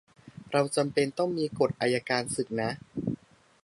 เราจำเป็นต้องมีกฎอัยการศึกนะ